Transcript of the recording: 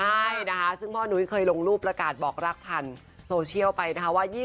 ใช่นะคะซึ่งพ่อนุ้ยเคยลงรูปประกาศบอกรักผ่านโซเชียลไปนะคะว่า